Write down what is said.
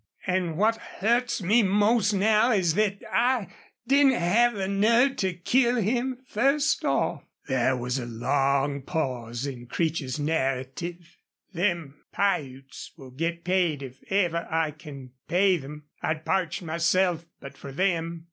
An' what hurts me most now is thet I didn't have the nerve to kill him fust off." There was a long pause in Creech's narrative. "Them Piutes will git paid if ever I can pay them. I'd parched myself but for them....